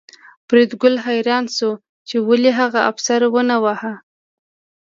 فریدګل حیران شو چې ولې هغه افسر ونه واهه